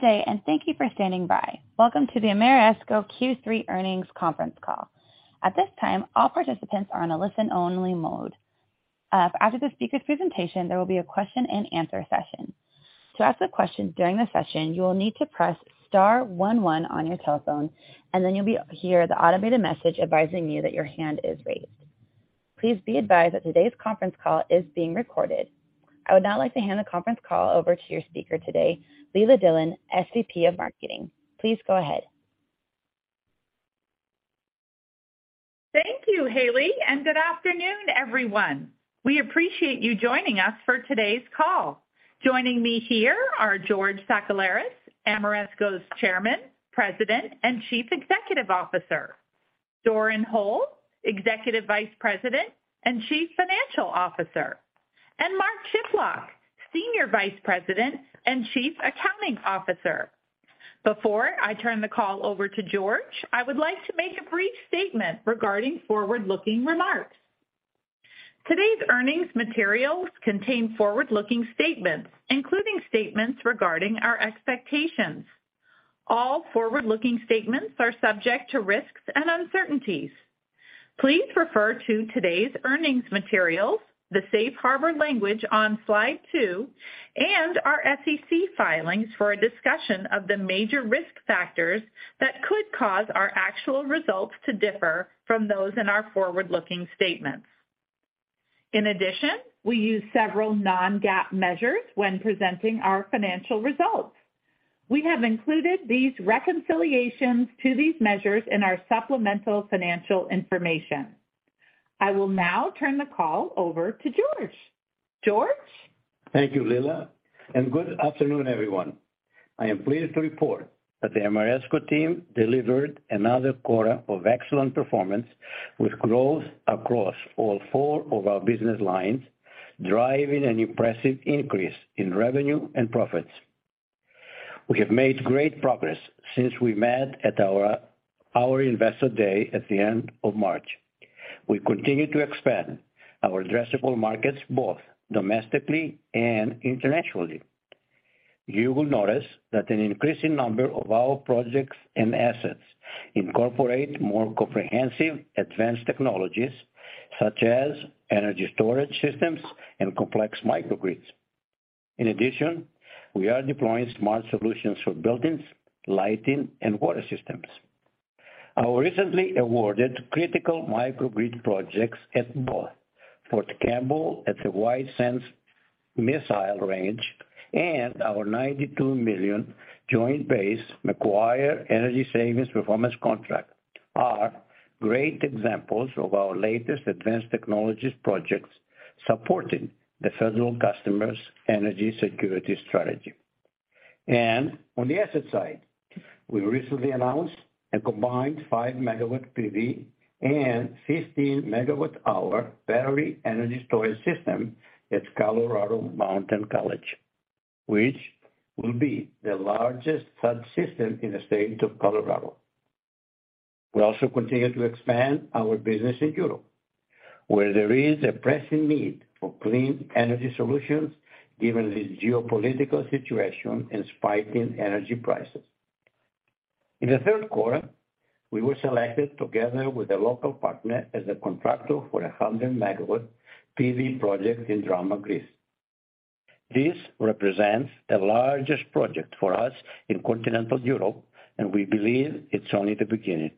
Perfect. Good day, and thank you for standing by. Welcome to the Ameresco Q3 Earnings Conference Call. At this time, all participants are on a listen-only mode. After the speaker presentation, there will be a question-and-answer session. To ask the questions during the session, you will need to press star one one on your telephone, and then you'll hear the automated message advising you that your hand is raised. Please be advised that today's conference call is being recorded. I would now like to hand the conference call over to your speaker today, Leila Dillon, SVP of Marketing. Please go ahead. Thank you, Haley, and good afternoon, everyone. We appreciate you joining us for today's call. Joining me here are George Sakellaris, Ameresco's Chairman, President, and Chief Executive Officer. Doran Hole, Executive Vice President and Chief Financial Officer. And Mark Chiplock, Senior Vice President and Chief Accounting Officer. Before I turn the call over to George, I would like to make a brief statement regarding forward-looking remarks. Today's earnings materials contain forward-looking statements, including statements regarding our expectations. All forward-looking statements are subject to risks and uncertainties. Please refer to today's earnings materials, the safe harbor language on slide two, and our SEC filings for a discussion of the major risk factors that could cause our actual results to differ from those in our forward-looking statements. In addition, we use several non-GAAP measures when presenting our financial results. We have included these reconciliations to these measures in our supplemental financial information. I will now turn the call over to George. George? Thank you, Leila, and good afternoon, everyone. I am pleased to report that the Ameresco team delivered another quarter of excellent performance with growth across all four of our business lines, driving an impressive increase in revenue and profits. We have made great progress since we met at our Investor Day at the end of March. We continue to expand our addressable markets, both domestically and internationally. You will notice that an increasing number of our projects and assets incorporate more comprehensive advanced technologies, such as energy storage systems and complex microgrids. In addition, we are deploying smart solutions for buildings, lighting, and water systems. Our recently awarded critical microgrid projects at both Fort Campbell at the White Sands Missile Range and our $92 million Joint Base McGuire Energy Savings Performance Contract are great examples of our latest advanced technologies projects supporting the federal customers' energy security strategy. On the asset side, we recently announced a combined 5 MW PV and 15 MW hour battery energy storage system at Colorado Mountain College, which will be the largest such system in the state of Colorado. We also continue to expand our business in Europe, where there is a pressing need for clean energy solutions given the geopolitical situation and spike in energy prices. In the third quarter, we were selected together with a local partner as a contractor for a 100-MW PV project in Drama, Greece. This represents the largest project for us in continental Europe, and we believe it's only the beginning.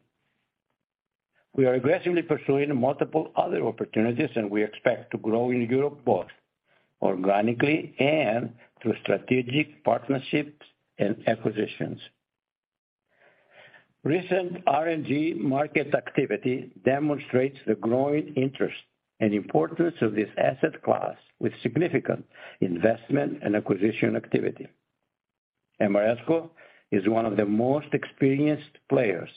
We are aggressively pursuing multiple other opportunities, and we expect to grow in Europe, both organically and through strategic partnerships and acquisitions. Recent RNG market activity demonstrates the growing interest and importance of this asset class with significant investment and acquisition activity. Ameresco is one of the most experienced players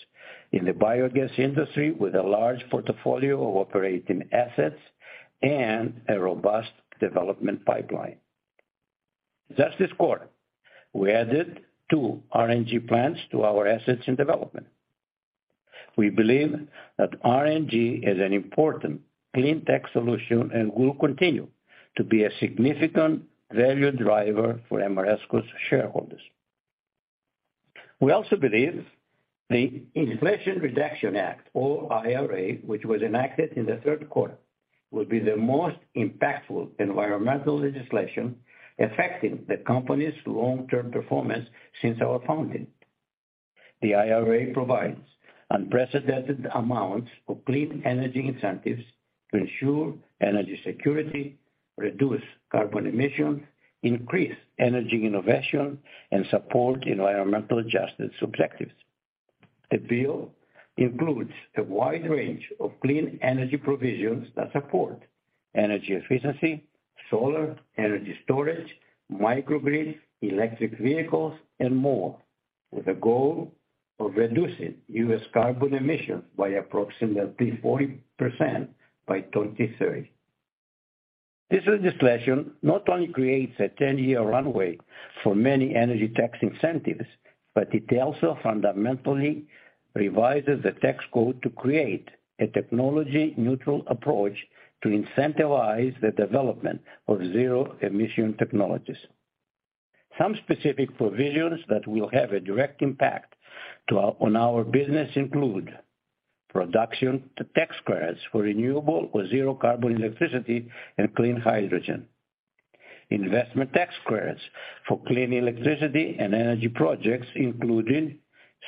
in the biogas industry with a large portfolio of operating assets and a robust development pipeline. Just this quarter, we added two RNG plants to our assets in development. We believe that RNG is an important clean tech solution and will continue to be a significant value driver for Ameresco's shareholders. We also believe the Inflation Reduction Act, or IRA, which was enacted in the third quarter, will be the most impactful environmental legislation affecting the company's long-term performance since our founding. The IRA provides unprecedented amounts of clean energy incentives to ensure energy security, reduce carbon emissions, increase energy innovation, and support environmental justice objectives. The bill includes a wide range of clean energy provisions that support energy efficiency, solar, energy storage, microgrids, electric vehicles, and more, with a goal of reducing U.S. carbon emissions by approximately 40% by 2030. This legislation not only creates a 10-year runway for many energy tax incentives. It also fundamentally revises the tax code to create a technology neutral approach to incentivize the development of zero emission technologies. Some specific provisions that will have a direct impact on our business include production tax credits for renewable or zero carbon electricity and clean hydrogen. Investment tax credits for clean electricity and energy projects, including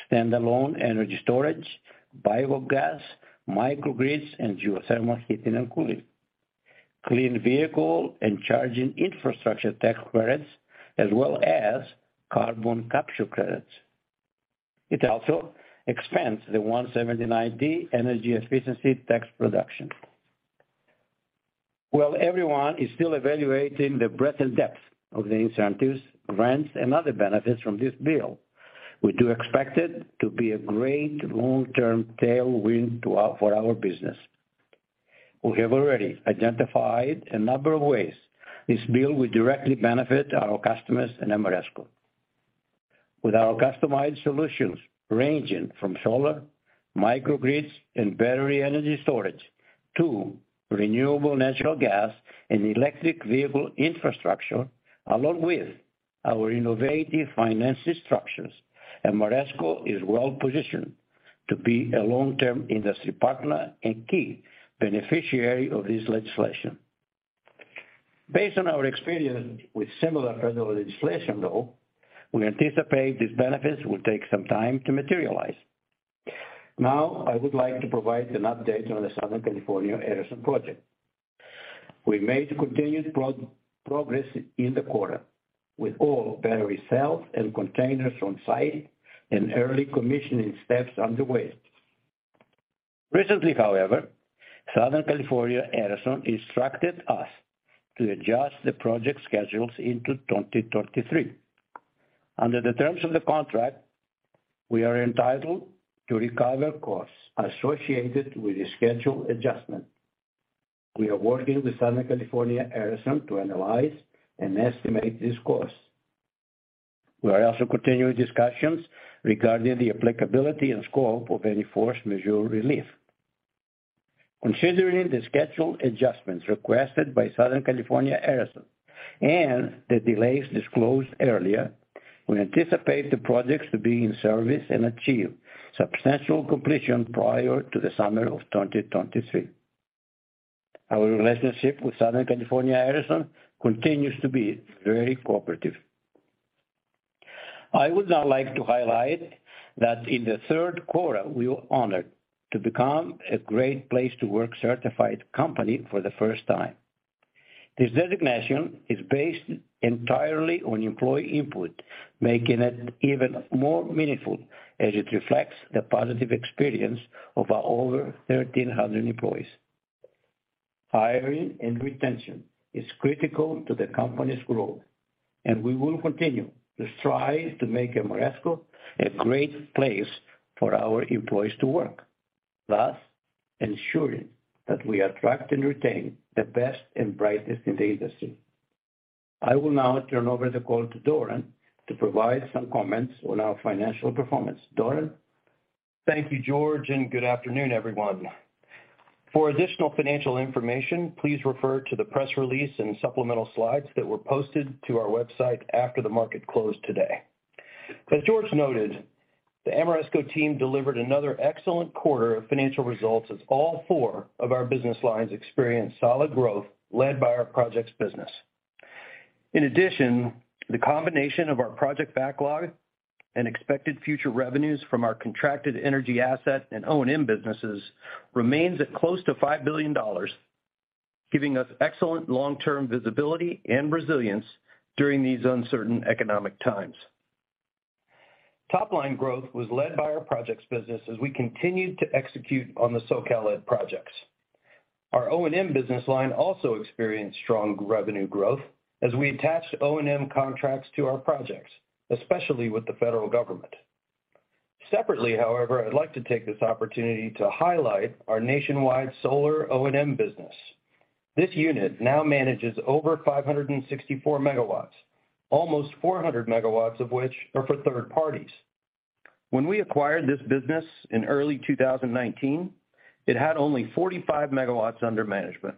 stand-alone energy storage, biogas, microgrids, and geothermal heating and cooling. Clean vehicle and charging infrastructure tax credits, as well as carbon capture credits. It also expands the 179D energy efficiency tax deduction. While everyone is still evaluating the breadth and depth of the incentives, grants, and other benefits from this bill, we do expect it to be a great long-term tailwind to our, for our business. We have already identified a number of ways this bill will directly benefit our customers and Ameresco. With our customized solutions, ranging from solar, microgrids, and battery energy storage, to renewable natural gas and electric vehicle infrastructure, along with our innovative financing structures, Ameresco is well-positioned to be a long-term industry partner and key beneficiary of this legislation. Based on our experience with similar federal legislation, though, we anticipate these benefits will take some time to materialize. Now, I would like to provide an update on the Southern California Edison project. We made continued progress in the quarter, with all battery cells and containers on site and early commissioning steps underway. Recently, however, Southern California Edison instructed us to adjust the project schedules into 2023. Under the terms of the contract, we are entitled to recover costs associated with the schedule adjustment. We are working with Southern California Edison to analyze and estimate this cost. We are also continuing discussions regarding the applicability and scope of any force majeure relief. Considering the schedule adjustments requested by Southern California Edison and the delays disclosed earlier, we anticipate the projects to be in service and achieve substantial completion prior to the summer of 2023. Our relationship with Southern California Edison continues to be very cooperative. I would now like to highlight that in the third quarter, we were honored to become a Great Place To Work-Certified company for the first time. This designation is based entirely on employee input, making it even more meaningful as it reflects the positive experience of our over 1,300 employees. Hiring and retention is critical to the company's growth, and we will continue to strive to make Ameresco a great place for our employees to work, thus ensuring that we attract and retain the best and brightest in the industry. I will now turn over the call to Doran to provide some comments on our financial performance. Doran? Thank you, George, and good afternoon, everyone. For additional financial information, please refer to the press release and supplemental slides that were posted to our website after the market closed today. As George noted, the Ameresco team delivered another excellent quarter of financial results as all four of our business lines experienced solid growth led by our projects business. In addition, the combination of our project backlog and expected future revenues from our contracted energy asset and O&M businesses remains at close to $5 billion, giving us excellent long-term visibility and resilience during these uncertain economic times. Top line growth was led by our projects business as we continued to execute on the Southern California Edison projects. Our O&M business line also experienced strong revenue growth as we attached O&M contracts to our projects, especially with the federal government. Separately, however, I'd like to take this opportunity to highlight our nationwide solar O&M business. This unit now manages over 564 MWs, almost 400 MWs of which are for third parties. When we acquired this business in early 2019, it had only 45 MWs under management.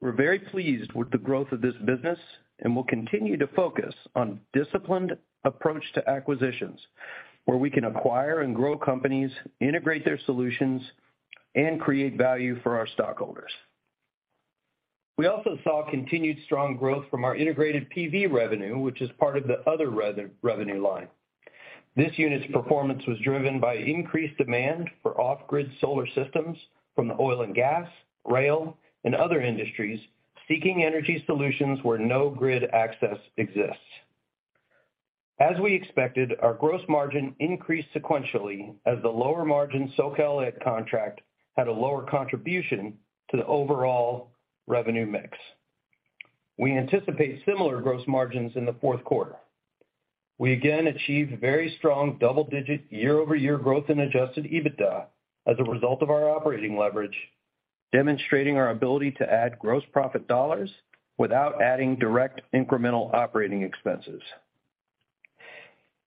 We're very pleased with the growth of this business and will continue to focus on disciplined approach to acquisitions, where we can acquire and grow companies, integrate their solutions, and create value for our stockholders. We also saw continued strong growth from our integrated PV revenue, which is part of the other revenue line. This unit's performance was driven by increased demand for off-grid solar systems from the oil and gas, rail, and other industries seeking energy solutions where no grid access exists. As we expected, our gross margin increased sequentially as the lower margin SoCalEd contract had a lower contribution to the overall revenue mix. We anticipate similar gross margins in the fourth quarter. We again achieved very strong double-digit year-over-year growth in adjusted EBITDA as a result of our operating leverage, demonstrating our ability to add gross profit dollars without adding direct incremental operating expenses.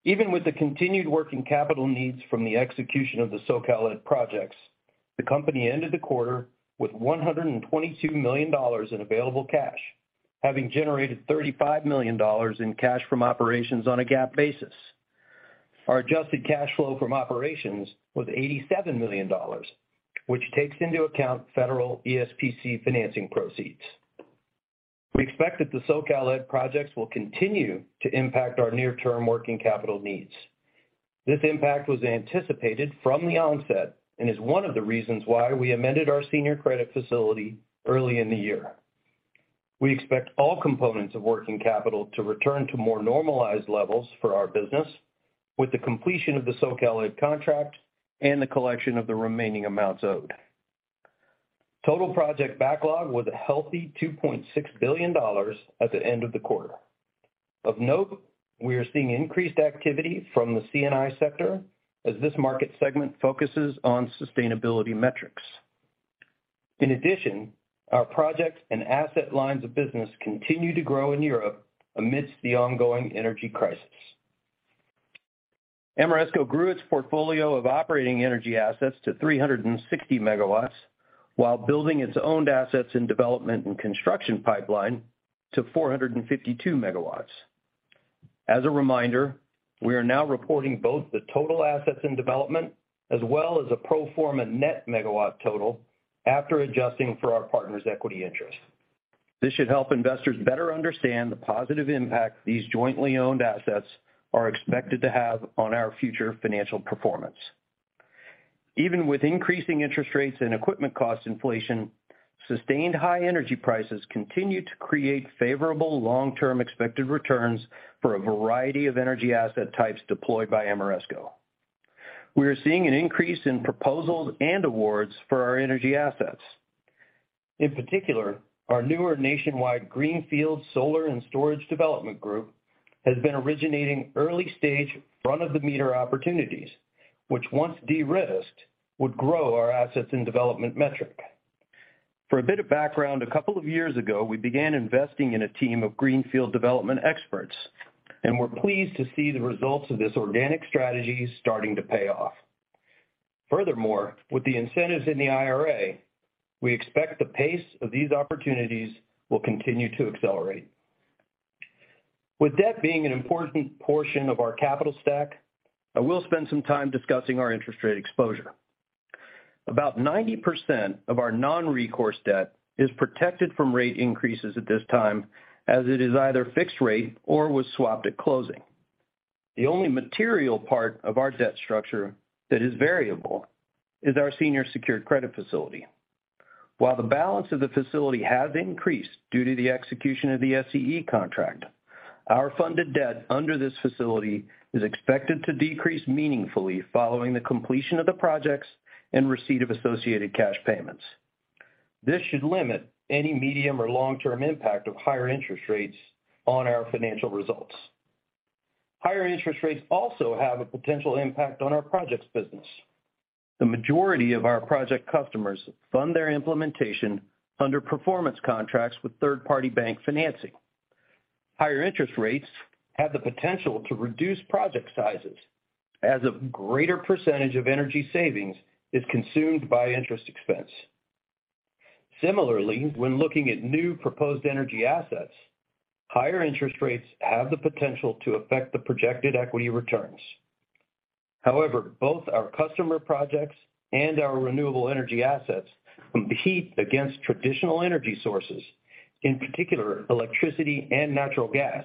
Even with the continued working capital needs from the execution of the SoCalEd projects, the company ended the quarter with $122 million in available cash, having generated $35 million in cash from operations on a GAAP basis. Our adjusted cash flow from operations was $87 million, which takes into account federal ESPC financing proceeds. We expect that the SoCalEd projects will continue to impact our near-term working capital needs. This impact was anticipated from the onset and is one of the reasons why we amended our senior credit facility early in the year. We expect all components of working capital to return to more normalized levels for our business with the completion of the Southern California Edison contract and the collection of the remaining amounts owed. Total project backlog was a healthy $2.6 billion at the end of the quarter. Of note, we are seeing increased activity from the C&I sector as this market segment focuses on sustainability metrics. In addition, our projects and asset lines of business continue to grow in Europe amidst the ongoing energy crisis. Ameresco grew its portfolio of operating energy assets to 360 MWs while building its owned assets in development and construction pipeline to 452 MWs. As a reminder, we are now reporting both the total assets in development as well as a pro forma net megawatt total after adjusting for our partner's equity interest. This should help investors better understand the positive impact these jointly owned assets are expected to have on our future financial performance. Even with increasing interest rates and equipment cost inflation, sustained high energy prices continue to create favorable long-term expected returns for a variety of energy asset types deployed by Ameresco. We are seeing an increase in proposals and awards for our energy assets. In particular, our newer nationwide greenfield solar and storage development group has been originating early-stage front-of-the-meter opportunities, which once de-risked, would grow our assets in development metric. For a bit of background, a couple of years ago, we began investing in a team of greenfield development experts, and we're pleased to see the results of this organic strategy starting to pay off. Furthermore, with the incentives in the IRA, we expect the pace of these opportunities will continue to accelerate. With debt being an important portion of our capital stack, I will spend some time discussing our interest rate exposure. About 90% of our non-recourse debt is protected from rate increases at this time, as it is either fixed rate or was swapped at closing. The only material part of our debt structure that is variable is our senior secured credit facility. While the balance of the facility has increased due to the execution of the SCE contract, our funded debt under this facility is expected to decrease meaningfully following the completion of the projects and receipt of associated cash payments. This should limit any medium or long-term impact of higher interest rates on our financial results. Higher interest rates also have a potential impact on our projects business. The majority of our project customers fund their implementation under performance contracts with third-party bank financing. Higher interest rates have the potential to reduce project sizes as a greater percentage of energy savings is consumed by interest expense. Similarly, when looking at new proposed energy assets, higher interest rates have the potential to affect the projected equity returns. However, both our customer projects and our renewable energy assets compete against traditional energy sources, in particular electricity and natural gas,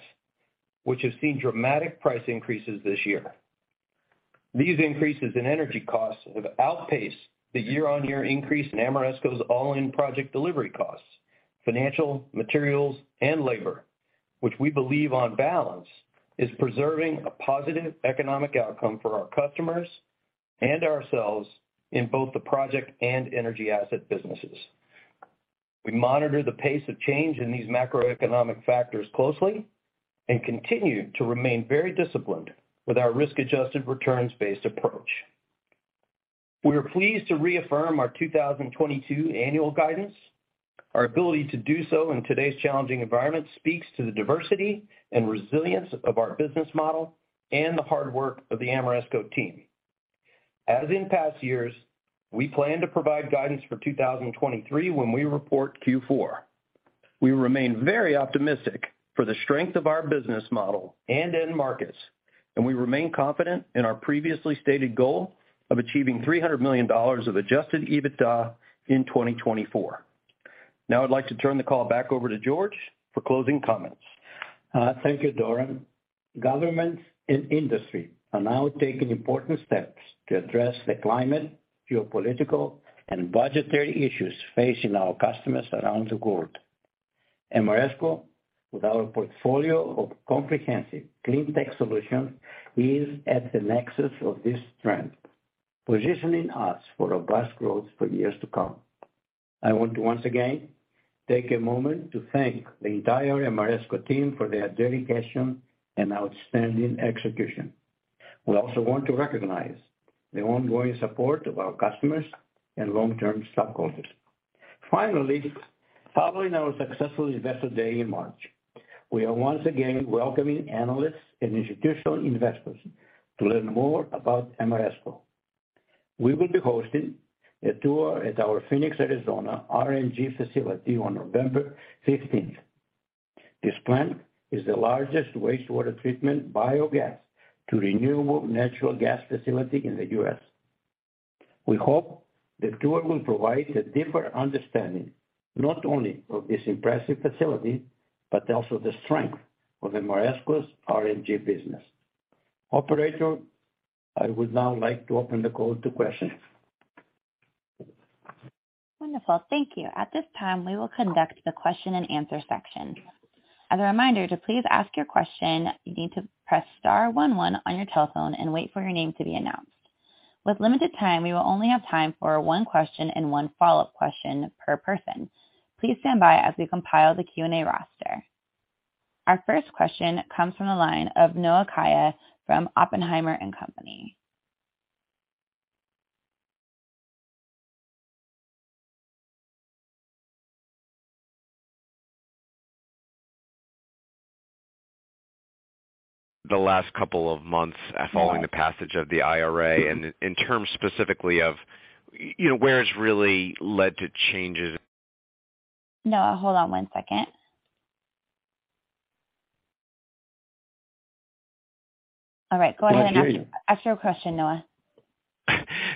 which have seen dramatic price increases this year. These increases in energy costs have outpaced the year-on-year increase in Ameresco's all-in project delivery costs, financial, materials, and labor, which we believe on balance is preserving a positive economic outcome for our customers and ourselves in both the project and energy asset businesses. We monitor the pace of change in these macroeconomic factors closely and continue to remain very disciplined with our risk-adjusted returns-based approach. We are pleased to reaffirm our 2022 annual guidance. Our ability to do so in today's challenging environment speaks to the diversity and resilience of our business model and the hard work of the Ameresco team. As in past years, we plan to provide guidance for 2023 when we report Q4. We remain very optimistic for the strength of our business model and end markets, and we remain confident in our previously stated goal of achieving $300 million of adjusted EBITDA in 2024. Now I'd like to turn the call back over to George for closing comments. Thank you, Doran. Governments and industry are now taking important steps to address the climate, geopolitical, and budgetary issues facing our customers around the globe. Ameresco, with our portfolio of comprehensive clean tech solutions, is at the nexus of this trend, positioning us for robust growth for years to come. I want to once again take a moment to thank the entire Ameresco team for their dedication and outstanding execution. We also want to recognize the ongoing support of our customers and long-term stockholders. Finally, following our successful investor day in March, we are once again welcoming analysts and institutional investors to learn more about Ameresco. We will be hosting a tour at our Phoenix, Arizona RNG facility on November 15th. This plant is the largest wastewater treatment biogas to renewable natural gas facility in the U.S. We hope the tour will provide a deeper understanding not only of this impressive facility, but also the strength of Ameresco's RNG business. Operator, I would now like to open the call to questions. Wonderful. Thank you. At this time, we will conduct the question-and-answer section. As a reminder, to please ask your question, you need to press star one one on your telephone and wait for your name to be announced. With limited time, we will only have time for one question and one follow-up question per person. Please stand by as we compile the Q&A roster. Our first question comes from the line of Noah Kaye from Oppenheimer & Co. Inc. The last couple of months following the passage of the IRA and in terms specifically of, you know, where it's really led to changes. Noah, hold on one second. All right, go ahead and ask. Can't hear you. Ask your question, Noah.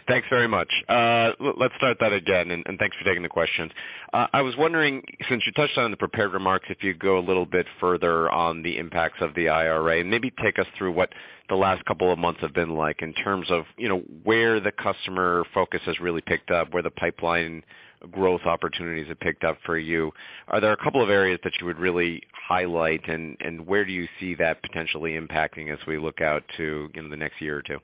Thanks very much. Let's start that again, and thanks for taking the questions. I was wondering, since you touched on the prepared remarks, if you'd go a little bit further on the impacts of the IRA and maybe take us through what the last couple of months have been like in terms of, you know, where the customer focus has really picked up, where the pipeline growth opportunities have picked up for you. Are there a couple of areas that you would really highlight, and where do you see that potentially impacting as we look out to, you know, the next year or two?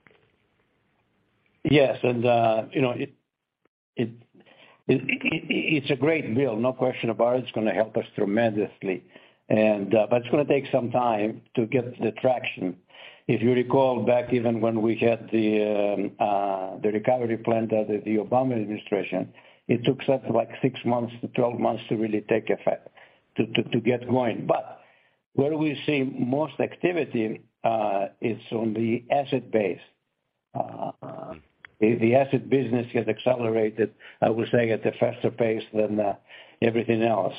Yes. You know, it's a great bill. No question about it. It's gonna help us tremendously. It's gonna take some time to get the traction. If you recall back even when we had the recovery plan under the Obama administration, it took us, like, six months to 12 months to really take effect to get going. Where we see most activity is on the asset base. The asset business has accelerated, I would say, at a faster pace than everything else.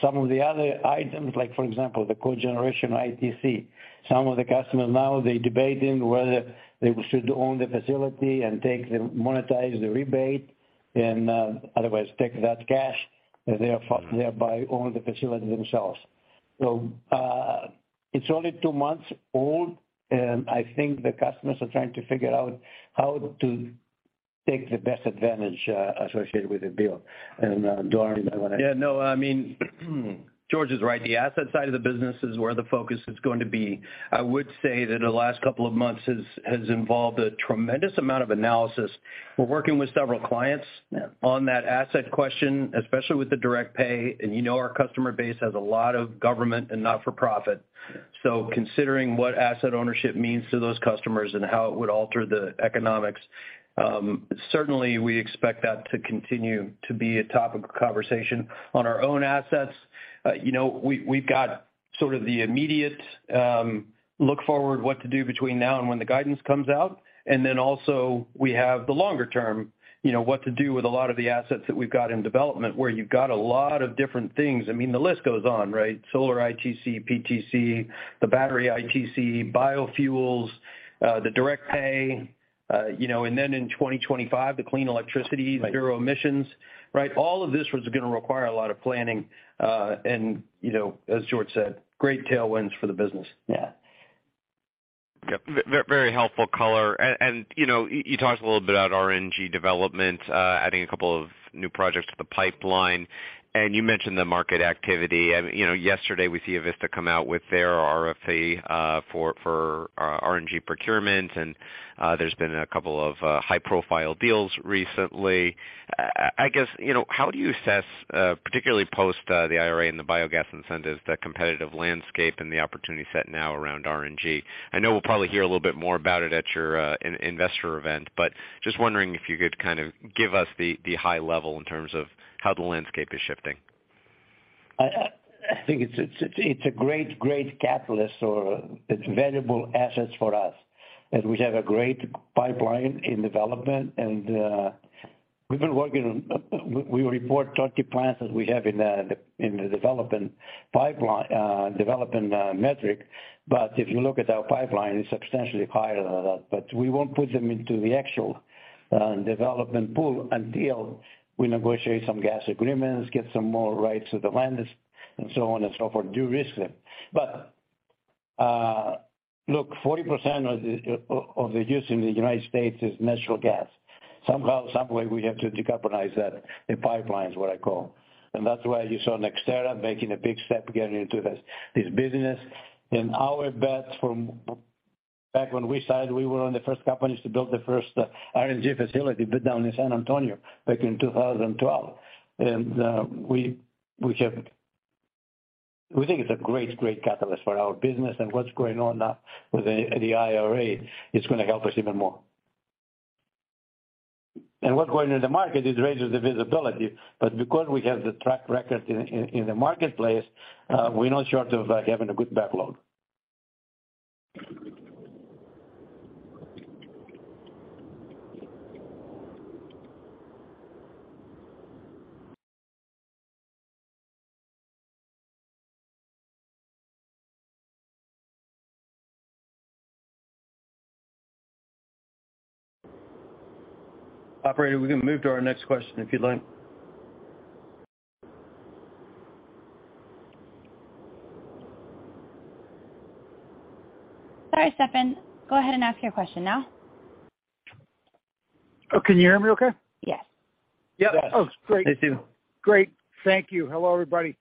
Some of the other items, like for example, the cogeneration ITC, some of the customers now, they're debating whether they should own the facility and monetize the rebate and otherwise take that cash and therefore thereby own the facility themselves. It's only two months old, and I think the customers are trying to figure out how to take the best advantage associated with the bill. Doran, you might wanna- Yeah, no, I mean, George is right. The asset side of the business is where the focus is going to be. I would say that the last couple of months has involved a tremendous amount of analysis. We're working with several clients. Yeah On that asset question, especially with the direct pay. You know our customer base has a lot of government and not-for-profit. Considering what asset ownership means to those customers and how it would alter the economics, certainly we expect that to continue to be a topic of conversation. On our own assets, you know, we've got sort of the immediate look forward to what to do between now and when the guidance comes out. Then also we have the longer term, you know, what to do with a lot of the assets that we've got in development, where you've got a lot of different things. I mean, the list goes on, right? Solar ITC, PTC, the battery ITC, biofuels, the direct pay, and then in 2025, the clean electricity, zero emissions, right? All of this was gonna require a lot of planning. You know, as George said, great tailwinds for the business. Yeah. Yep. Very helpful color. You know, you talked a little bit about RNG development, adding a couple of new projects to the pipeline, and you mentioned the market activity. You know, yesterday we see Avista come out with their RFP for RNG procurement, and there's been a couple of high-profile deals recently. I guess, you know, how do you assess, particularly post the IRA and the biogas incentives, the competitive landscape and the opportunity set now around RNG? I know we'll probably hear a little bit more about it at your investor event, but just wondering if you could kind of give us the high level in terms of how the landscape is shifting. I think it's a great catalyst or it's valuable assets for us, and we have a great pipeline in development. We report 30 plants that we have in the development pipeline, development metric. If you look at our pipeline, it's substantially higher than that. We won't put them into the actual development pool until we negotiate some gas agreements, get some more rights to the land, and so on and so forth, de-risk them. Look, 40% of the use in the United States is natural gas. Somehow, some way, we have to decarbonize that, the pipeline is what I call. That's why you saw NextEra making a big step getting into this business. Our bet from back when we started, we were one of the first companies to build the first RNG facility built down in San Antonio back in 2012. We think it's a great catalyst for our business. What's going on now with the IRA is gonna help us even more. What's going on in the market, it raises the visibility. Because we have the track record in the marketplace, we're not short of having a good backlog. Operator, we can move to our next question if you'd like. Sorry, Stephen. Go ahead and ask your question now. Oh, can you hear me okay? Yes. Yes. Yes. Oh, great. I do. Great. Thank you. Hello, everybody.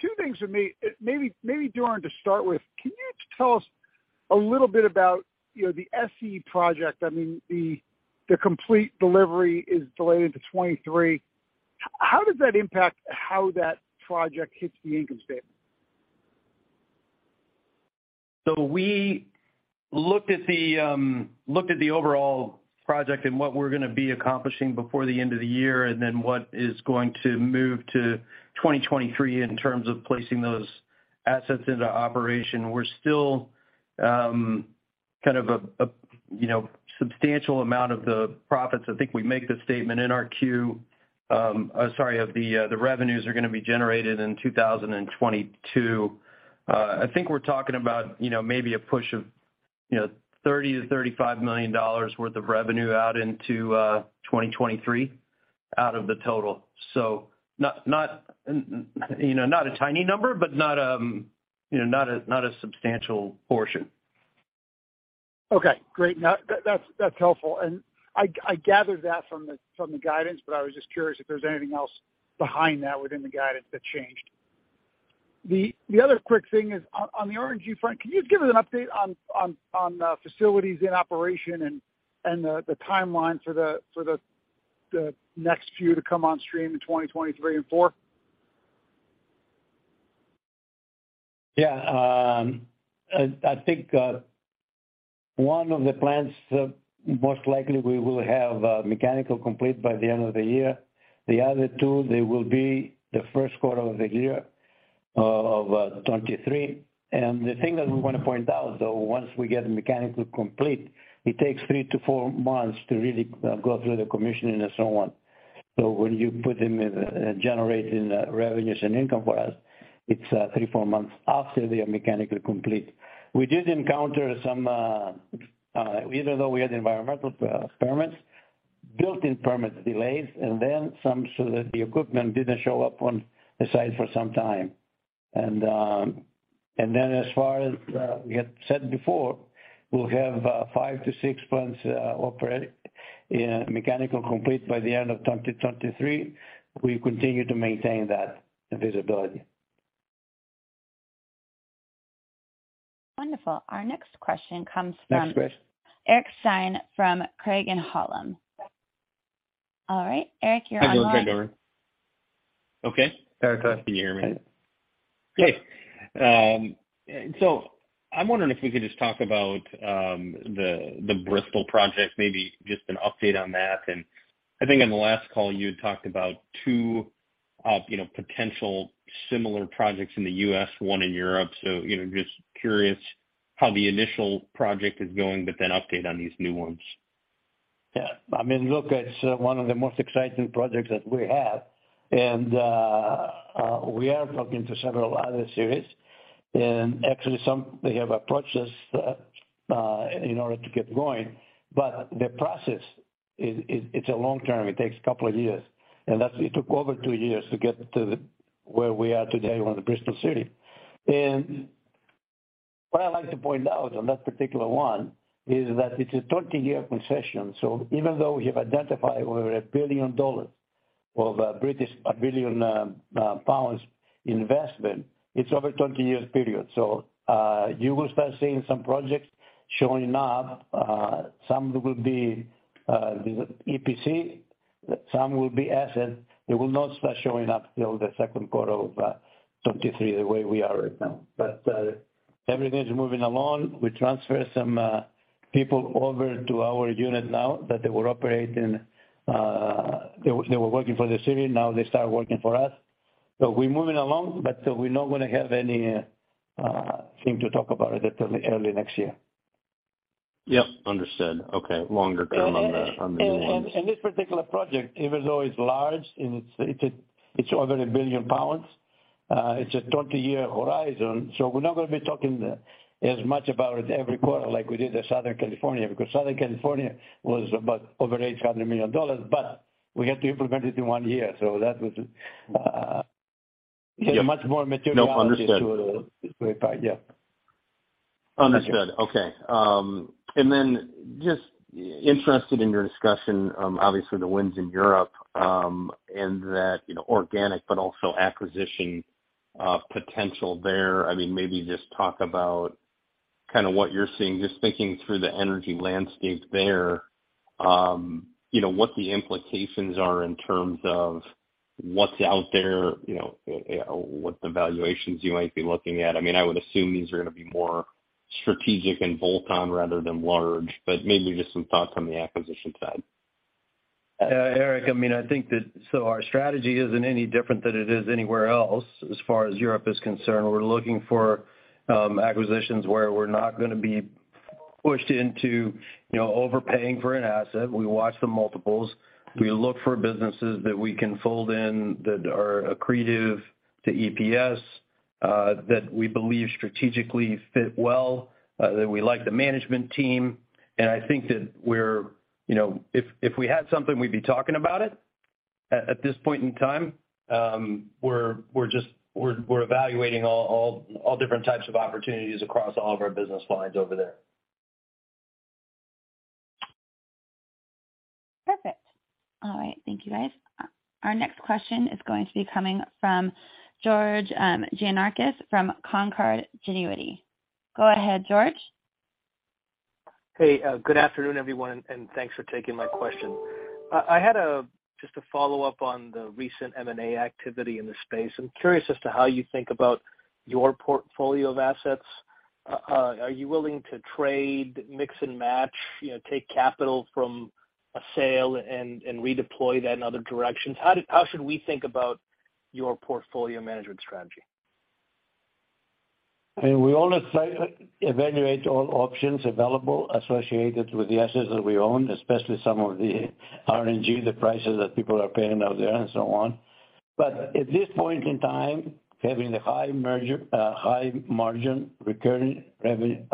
Two things for me. Maybe Doran to start with. Can you tell us a little bit about, you know, the SCE project? I mean, the complete delivery is delayed into 2023. How does that impact how that project hits the income statement? We looked at the overall project and what we're gonna be accomplishing before the end of the year, and then what is going to move to 2023 in terms of placing those assets into operation. We're still kind of, you know, a substantial amount of the revenues are gonna be generated in 2022. I think we make the statement in our Q. I think we're talking about, you know, maybe a push of, you know, $30-35 million worth of revenue out into 2023 out of the total. Not a tiny number, but not a substantial portion. Okay, great. Now that's helpful. I gathered that from the guidance, but I was just curious if there's anything else behind that within the guidance that changed. The other quick thing is on the RNG front, can you give us an update on facilities in operation and the timeline for the next few to come on stream in 2023 and 2024? Yeah. I think one of the plants most likely we will have mechanically complete by the end of the year. The other two, they will be the first quarter of the year of 2023. The thing that we wanna point out, though, once we get mechanically complete, it takes three to four months to really go through the commissioning and so on. When you put in generating revenues and income for us, it's three, four months after they are mechanically complete. We did encounter some even though we had environmental permits, built-in permit delays, and then some so that the equipment didn't show up on the site for some time. We had said before, we'll have five to six plants operate in mechanical complete by the end of 2023. We continue to maintain that visibility. Wonderful. Our next question comes from. Next question. Eric Stine from Craig-Hallum. All right, Eric, you're online. Okay. Eric, hi. Can you hear me? Great. I'm wondering if we could just talk about the Bristol project, maybe just an update on that. I think on the last call, you had talked about two you know potential similar projects in the U.S., one in Europe. You know, just curious how the initial project is going, but then update on these new ones. Yeah. I mean, look, it's one of the most exciting projects that we have, and we are talking to several other cities. Actually some, they have approached us in order to get going. The process is. It's a long term. It takes a couple of years. It took over two years to get to where we are today on the Bristol City. What I'd like to point out on that particular one is that it's a 20-year concession. Even though we have identified over GBP 1 billion investment, it's over 20 years period. You will start seeing some projects showing up. Some will be EPC, some will be asset. They will not start showing up till the second quarter of 2023, the way we are right now. Everything's moving along. We transfer some people over to our unit now that they were operating, they were working for the city, now they start working for us. We're moving along, but we're not gonna have anything to talk about it until early next year. Yep, understood. Okay. Longer term on the wins. This particular project, even though it's large and it's over 1 billion pounds, it's a 20-year horizon, so we're not gonna be talking as much about it every quarter like we did the Southern California Edison, because Southern California Edison was about $800 million, but we had to implement it in one year. That was much more material. No, understood. to it. Yeah. Understood. Okay. Just interested in your discussion, obviously the wins in Europe, and that, you know, organic but also acquisition potential there. I mean, maybe just talk about. Kind of what you're seeing, just thinking through the energy landscape there, you know, what the implications are in terms of what's out there, you know, what the valuations you might be looking at. I mean, I would assume these are gonna be more strategic and bolt-on rather than large, but maybe just some thoughts on the acquisition side. Eric, I mean, I think, so our strategy isn't any different than it is anywhere else as far as Europe is concerned. We're looking for acquisitions where we're not gonna be pushed into, you know, overpaying for an asset. We watch the multiples. We look for businesses that we can fold in that are accretive to EPS, that we believe strategically fit well, that we like the management team. I think that we're, you know, if we had something, we'd be talking about it. At this point in time, we're evaluating all different types of opportunities across all of our business lines over there. Perfect. All right. Thank you, guys. Our next question is going to be coming from George Gianarikas from Canaccord Genuity. Go ahead, George. Hey, good afternoon, everyone, and thanks for taking my question. I had just a follow-up on the recent M&A activity in the space. I'm curious as to how you think about your portfolio of assets. Are you willing to trade, mix and match, you know, take capital from a sale and redeploy that in other directions? How should we think about your portfolio management strategy? I mean, we evaluate all options available associated with the assets that we own, especially some of the RNG, the prices that people are paying out there and so on. At this point in time, having the high margin recurring revenue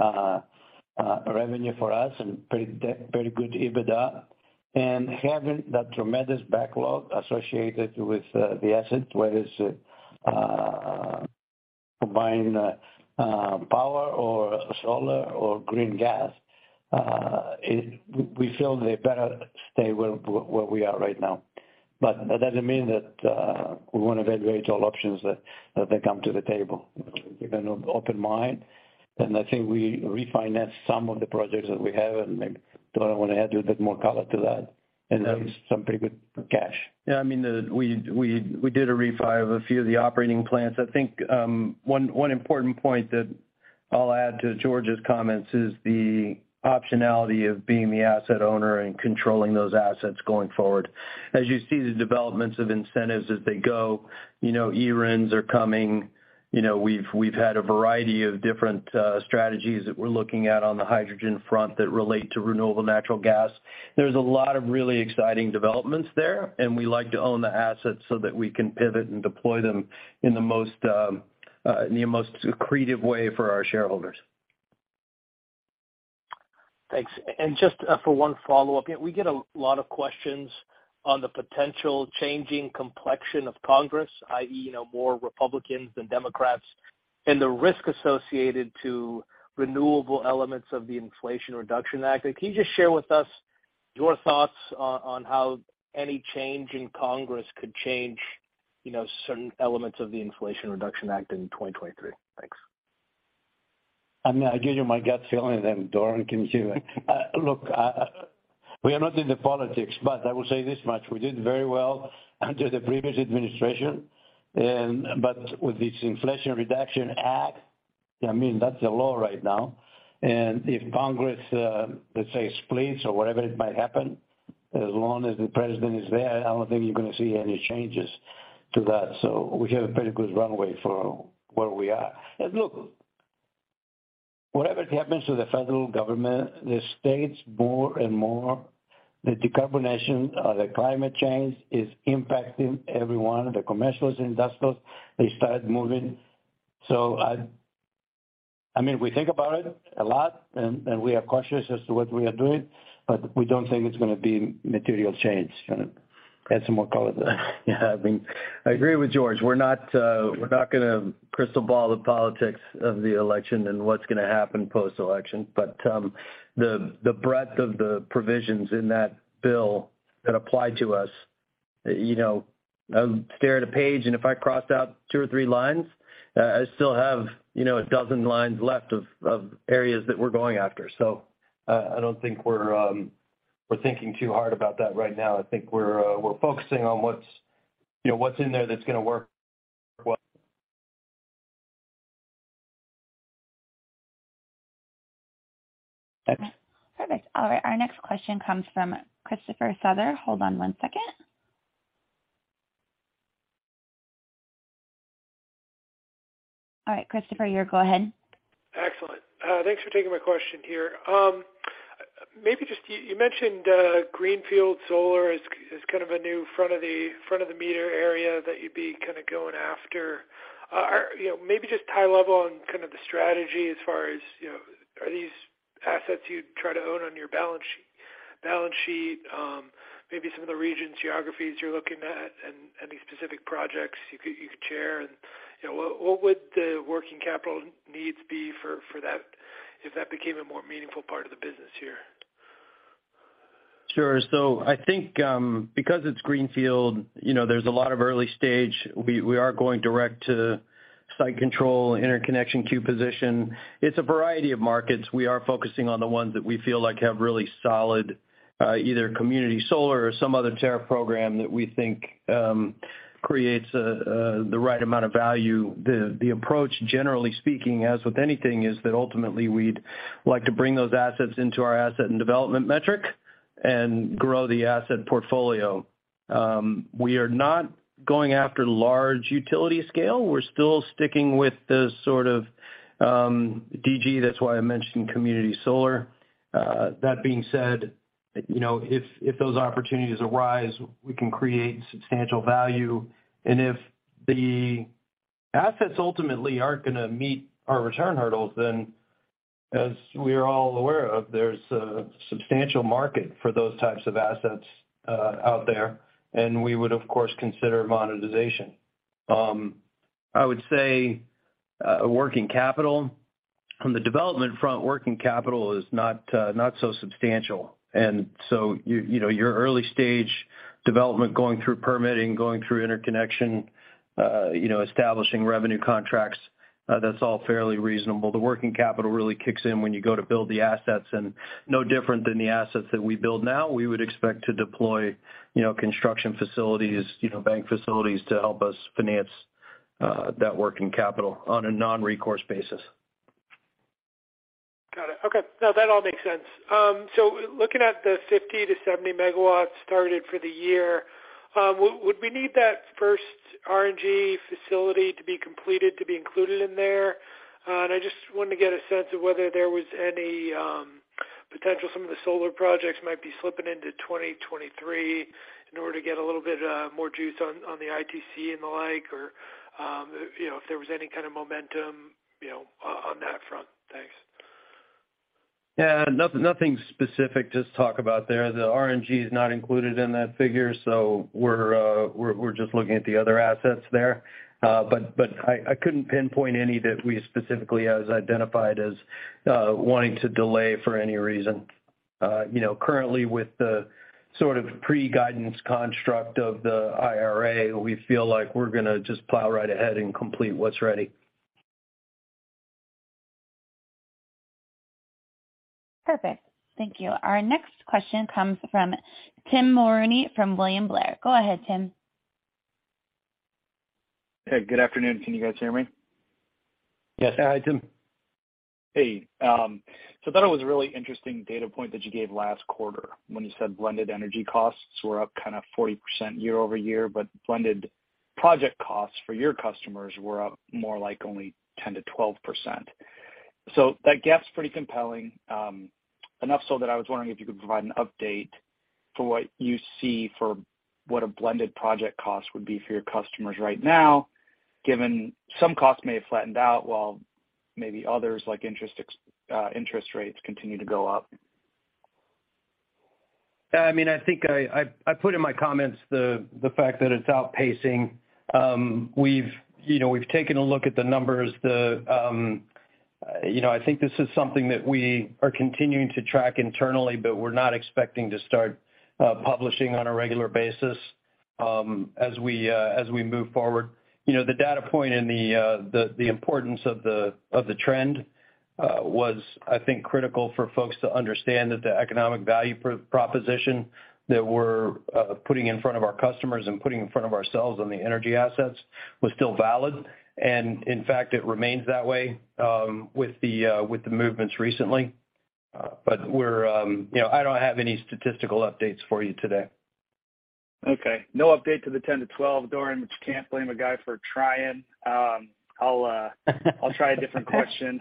for us and pretty good EBITDA, and having that tremendous backlog associated with the asset, whether it's combined power or solar or green gas, we feel that they better stay where we are right now. That doesn't mean that we won't evaluate all options that come to the table. We're keeping an open mind, and I think we refinance some of the projects that we have, and maybe Doran wanna add a bit more color to that. There is some pretty good cash. Yeah, I mean, we did a refi of a few of the operating plants. I think, one important point that I'll add to George's comments is the optionality of being the asset owner and controlling those assets going forward. As you see the developments of incentives as they go, you know, eRINs are coming. You know, we've had a variety of different strategies that we're looking at on the hydrogen front that relate to renewable natural gas. There's a lot of really exciting developments there, and we like to own the assets so that we can pivot and deploy them in the most accretive way for our shareholders. Thanks. Just for one follow-up. Yeah, we get a lot of questions on the potential changing complexion of Congress, i.e., you know, more Republicans than Democrats, and the risk associated to renewable elements of the Inflation Reduction Act. Can you just share with us your thoughts on how any change in Congress could change, you know, certain elements of the Inflation Reduction Act in 2023? Thanks. I mean, I'll give you my gut feeling, and then Doran can give it. Look, we are not into politics, but I will say this much. We did very well under the previous administration. But with this Inflation Reduction Act, I mean, that's the law right now. If Congress, let's say, splits or whatever might happen, as long as the President is there, I don't think you're gonna see any changes to that. We have a pretty good runway for where we are. Look, whatever happens to the federal government, the states more and more, the decarbonization, the climate change is impacting everyone, the commercial, industrial, they start moving. I mean, we think about it a lot, and we are cautious as to what we are doing, but we don't think it's gonna be material change. Add some more color there. Yeah. I mean, I agree with George. We're not gonna crystal ball the politics of the election and what's gonna happen post-election. The breadth of the provisions in that bill that apply to us, you know, I would stare at a page, and if I crossed out two or three lines, I still have, you know, a dozen lines left of areas that we're going after. I don't think we're thinking too hard about that right now. I think we're focusing on what's, you know, what's in there that's gonna work, what. Thanks. Perfect. All right. Our next question comes from Christopher Tucker. Hold on one second. All right, Christopher, go ahead. Excellent. Thanks for taking my question here. Maybe just you mentioned greenfield solar as kind of a new front of the meter area that you'd be kinda going after. You know, maybe just high level on kind of the strategy as far as, you know, are these assets you'd try to own on your balance sheet, maybe some of the region geographies you're looking at and any specific projects you could share? You know, what would the working capital needs be for that if that became a more meaningful part of the business here? Sure. I think, because it's greenfield, you know, there's a lot of early stage. We are going direct to site control, interconnection queue position. It's a variety of markets. We are focusing on the ones that we feel like have really solid, either community solar or some other tariff program that we think creates the right amount of value. The approach, generally speaking, as with anything, is that ultimately we'd like to bring those assets into our asset and development metric and grow the asset portfolio. We are not going after large utility scale. We're still sticking with the sort of DG. That's why I mentioned community solar. That being said, you know, if those opportunities arise, we can create substantial value. If the assets ultimately aren't gonna meet our return hurdles, then as we are all aware of, there's a substantial market for those types of assets, out there, and we would of course consider monetization. I would say, working capital. On the development front, working capital is not so substantial. You know, your early stage development going through permitting, going through interconnection, you know, establishing revenue contracts, that's all fairly reasonable. The working capital really kicks in when you go to build the assets. No different than the assets that we build now, we would expect to deploy, you know, construction facilities, you know, bank facilities to help us finance, that working capital on a non-recourse basis. Got it. Okay. No, that all makes sense. Looking at the 50-70 MWs started for the year, would we need that first RNG facility to be completed to be included in there? I just wanted to get a sense of whether there was any potential some of the solar projects might be slipping into 2023 in order to get a little bit more juice on the ITC and the like, or you know, if there was any kind of momentum you know on that front. Thanks. Yeah. Nothing specific to talk about there. The RNG is not included in that figure, so we're just looking at the other assets there. But I couldn't pinpoint any that we specifically have identified as wanting to delay for any reason. You know, currently with the sort of pre-guidance construct of the IRA, we feel like we're gonna just plow right ahead and complete what's ready. Perfect. Thank you. Our next question comes from Tim Mooney from William Blair. Go ahead, Tim. Hey, good afternoon. Can you guys hear me? Yes. Hi, Tim. Hey. I thought it was a really interesting data point that you gave last quarter when you said blended energy costs were up kinda 40% year-over-year, but blended project costs for your customers were up more like only 10%-12%. That gap's pretty compelling, enough so that I was wondering if you could provide an update for what you see a blended project cost would be for your customers right now, given some costs may have flattened out while maybe others like interest rates continue to go up. I mean, I think I put in my comments the fact that it's outpacing. We've, you know, taken a look at the numbers. I think this is something that we are continuing to track internally, but we're not expecting to start publishing on a regular basis as we move forward. You know, the data point and the importance of the trend was I think critical for folks to understand that the economic value proposition that we're putting in front of our customers and putting in front of ourselves on the energy assets was still valid. In fact, it remains that way with the movements recently. We're, you know, I don't have any statistical updates for you today. Okay. No update to the 10-12, Doran, but you can't blame a guy for trying. I'll try a different question.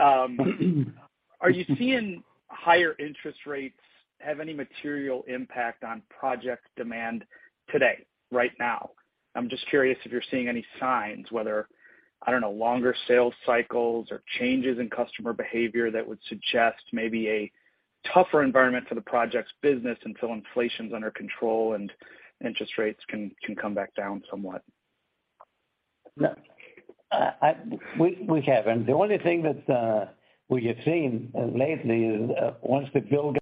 Are you seeing higher interest rates have any material impact on project demand today, right now? I'm just curious if you're seeing any signs whether, I don't know, longer sales cycles or changes in customer behavior that would suggest maybe a tougher environment for the projects business until inflation's under control and interest rates can come back down somewhat. No. We haven't. The only thing that we have seen lately is once the bill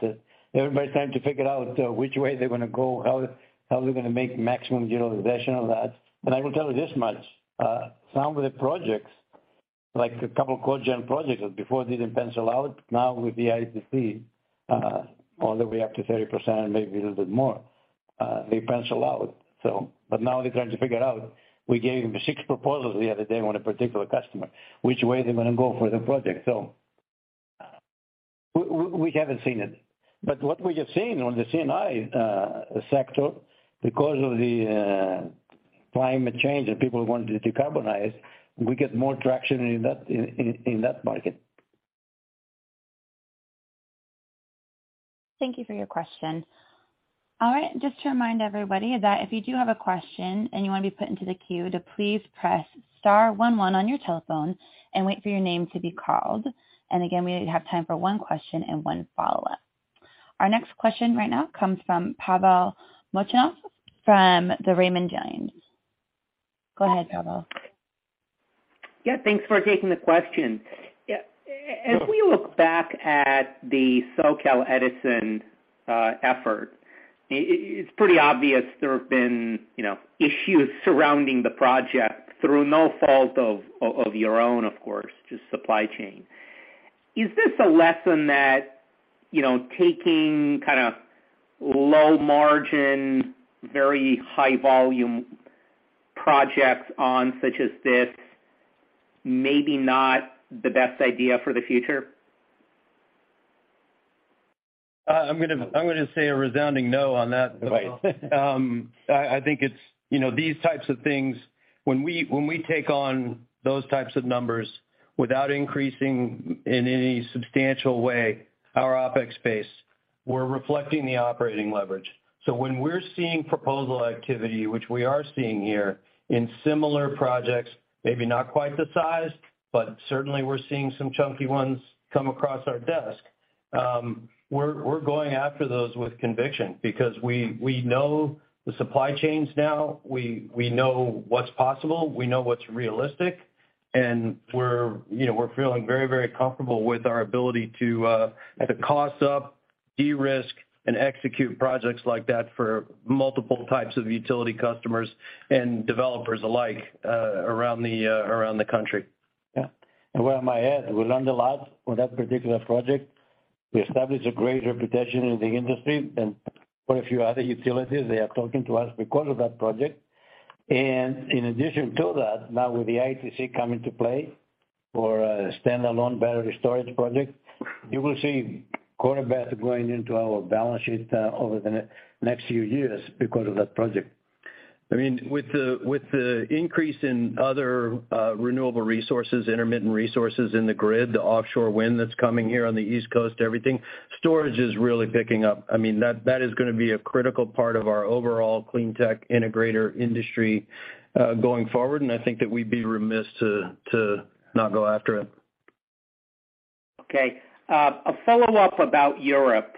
of the IRA's. Everybody's trying to figure out which way they're gonna go, how they're gonna make maximum utilization of that. I will tell you this much, some of the projects, like a couple of cogeneration projects before didn't pencil out. Now with the ITC all the way up to 30%, maybe a little bit more, they pencil out. But now they're trying to figure out, we gave them six proposals the other day on a particular customer, which way they're gonna go for the project. We haven't seen it. What we have seen on the C&I sector, because of the climate change and people wanting to decarbonize, we get more traction in that market. Thank you for your question. All right, just to remind everybody that if you do have a question and you wanna be put into the queue, to please press star one one on your telephone and wait for your name to be called. Again, we have time for one question and one follow-up. Our next question right now comes from Pavel Molchanov from Raymond James. Go ahead, Pavel. Yeah, thanks for taking the question. Yeah. As we look back at the Southern California Edison effort, it's pretty obvious there have been, you know, issues surrounding the project through no fault of your own, of course, just supply chain. Is this a lesson that, you know, taking kinda low margin, very high volume projects on such as this may be not the best idea for the future? I'm gonna say a resounding no on that. I think it's, you know, these types of things when we take on those types of numbers without increasing in any substantial way our OpEx base, we're reflecting the operating leverage. When we're seeing proposal activity, which we are seeing here in similar projects, maybe not quite the size, but certainly we're seeing some chunky ones come across our desk, we're going after those with conviction because we know the supply chains now. We know what's possible. We know what's realistic. We're, you know, we're feeling very, very comfortable with our ability to at a cost up, de-risk and execute projects like that for multiple types of utility customers and developers alike, around the country. Yeah. Where am I at? We learned a lot on that particular project. We established a great reputation in the industry and quite a few other utilities. They are talking to us because of that project. In addition to that, now with the ITC come into play for a standalone battery storage project, you will see cash back going into our balance sheet over the next few years because of that project. I mean, with the increase in other, renewable resources, intermittent resources in the grid, the offshore wind that's coming here on the East Coast, everything, storage is really picking up. I mean, that is gonna be a critical part of our overall clean tech integrator industry, going forward, and I think that we'd be remiss to not go after it. Okay. A follow-up about Europe.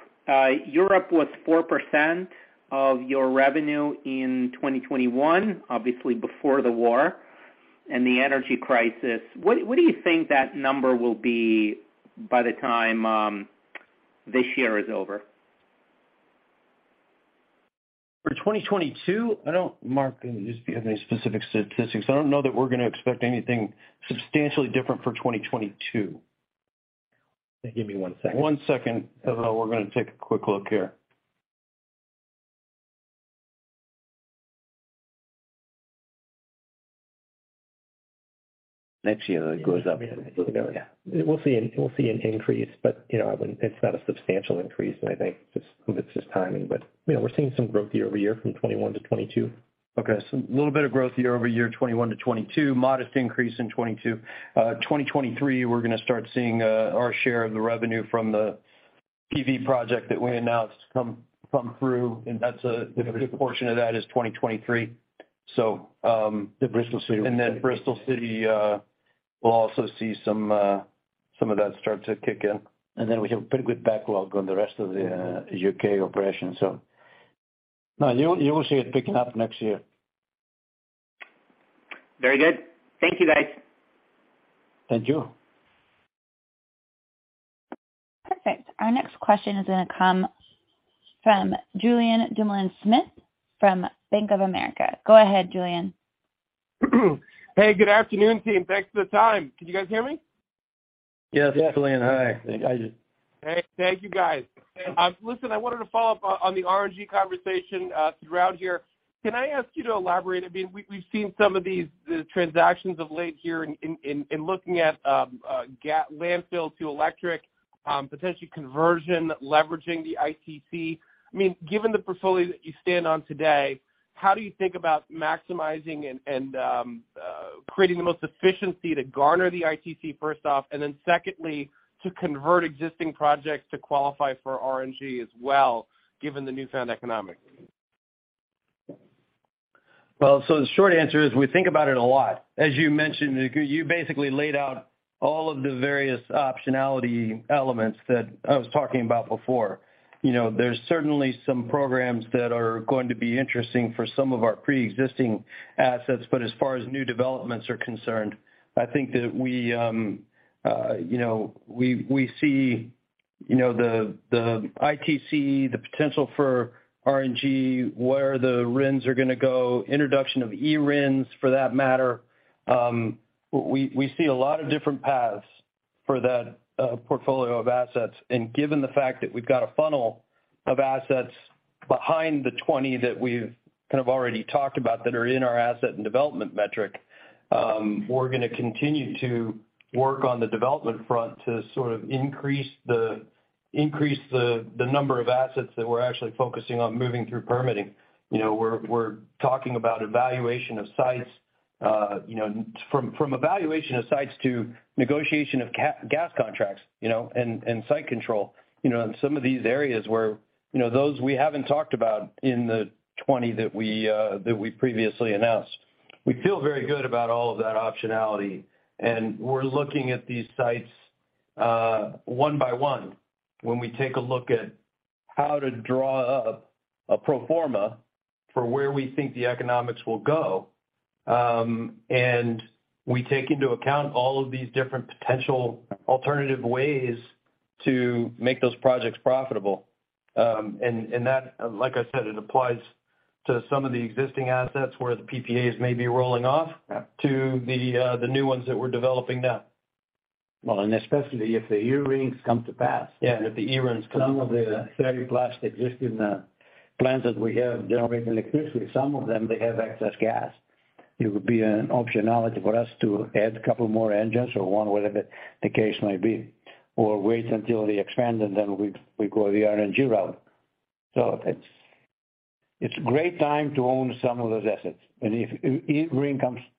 Europe was 4% of your revenue in 2021, obviously before the war and the energy crisis. What do you think that number will be by the time this year is over? For 2022? I don't know that Mark used to have any specific statistics. I don't know that we're gonna expect anything substantially different for 2022. Give me one second. One second. We're gonna take a quick look here. Next year it goes up. We'll see an increase, but you know, it's not a substantial increase, and I think it's just timing. You know, we're seeing some growth year-over-year from 2021 to 2022. Okay. A little bit of growth year-over-year, 2021-2022. Modest increase in 2022. 2023, we're gonna start seeing our share of the revenue from the PV project that we announced come through, and that's a good portion of that is 2023. The Bristol City. Bristol City, we'll also see some of that start to kick in. We have pretty good backlog on the rest of the UK operation. No, you will see it picking up next year. Very good. Thank you, guys. Thank you. Perfect. Our next question is gonna come from Julien Dumoulin-Smith from Bank of America. Go ahead, Julien. Hey, good afternoon, team. Thanks for the time. Can you guys hear me? Yes. Yeah. Julien, hi. I do. Hey. Thank you guys. Listen, I wanted to follow up on the RNG conversation throughout here. Can I ask you to elaborate? I mean, we've seen some of these, the transactions of late here in looking at landfill to electric potentially conversion leveraging the ITC. I mean, given the portfolio that you stand on today, how do you think about maximizing and creating the most efficiency to garner the ITC first off, and then secondly, to convert existing projects to qualify for RNG as well, given the newfound economics? The short answer is we think about it a lot. As you mentioned, you basically laid out all of the various optionality elements that I was talking about before. You know, there's certainly some programs that are going to be interesting for some of our preexisting assets, but as far as new developments are concerned, I think that you know, we see you know, the ITC, the potential for RNG, where the RINs are gonna go, introduction of eRINs for that matter. We see a lot of different paths for that portfolio of assets. Given the fact that we've got a funnel of assets behind the 20 that we've kind of already talked about that are in our asset and development metric, we're gonna continue to work on the development front to sort of increase the number of assets that we're actually focusing on moving through permitting. You know, we're talking about evaluation of sites. You know, from evaluation of sites to negotiation of gas contracts, you know, and site control, you know, in some of these areas where, you know, those we haven't talked about in the 20 that we previously announced. We feel very good about all of that optionality, and we're looking at these sites one by one when we take a look at how to draw up a pro forma for where we think the economics will go. We take into account all of these different potential alternative ways to make those projects profitable. That, like I said, it applies to some of the existing assets where the PPAs may be rolling off. Yeah. to the new ones that we're developing now. Well, especially if the eRINs come to pass. Yeah, if the eRINs come. Some of the very elastic existing plants that we have generating electricity, some of them they have excess gas. It would be an optionality for us to add a couple more engines or one, whatever the case might be, or wait until they expand and then we go the RNG route. It's a great time to own some of those assets. If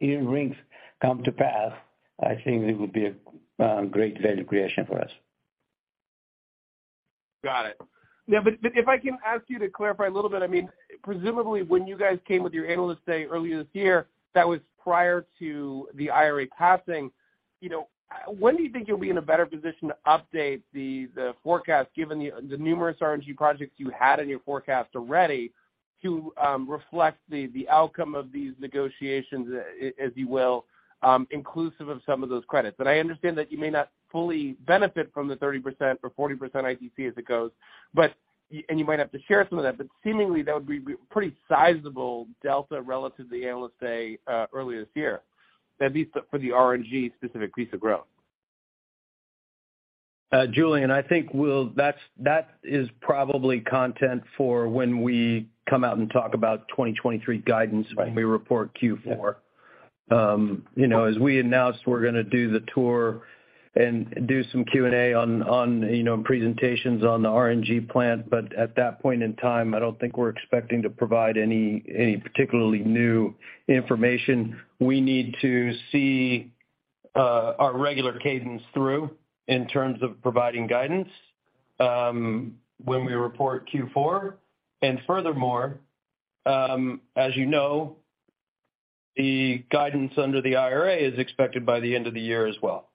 eRINs come to pass, I think it would be a great value creation for us. Got it. Yeah, but if I can ask you to clarify a little bit. I mean, presumably when you guys came with your analyst day earlier this year, that was prior to the IRA passing. You know, when do you think you'll be in a better position to update the forecast given the numerous RNG projects you had in your forecast already to reflect the outcome of these negotiations as well, inclusive of some of those credits. I understand that you may not fully benefit from the 30% or 40% ITC as it goes, but you might have to share some of that, but seemingly that would be pretty sizable delta relative to the analyst day earlier this year. At least for the RNG specific piece of growth. Julien, I think that is probably content for when we come out and talk about 2023 guidance. Right. When we report Q4. You know, as we announced, we're gonna do the tour and do some Q&A on, you know, presentations on the RNG plant. But at that point in time, I don't think we're expecting to provide any particularly new information. We need to see our regular cadence through in terms of providing guidance, when we report Q4. Furthermore, as you know, the guidance under the IRA is expected by the end of the year as well.